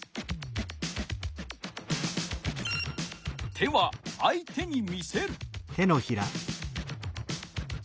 手は相手に見せる。